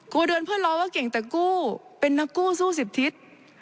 โดนเพื่อนล้อว่าเก่งแต่กู้เป็นนักกู้สู้๑๐ทิศ